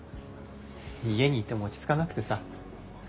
家にいても落ち着かなくてさ。